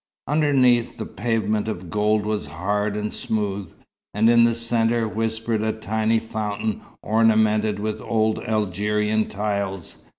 Underneath, the pavement of gold was hard and smooth, and in the centre whispered a tiny fountain ornamented with old Algerian tiles.